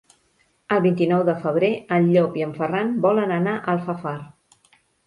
El vint-i-nou de febrer en Llop i en Ferran volen anar a Alfafar.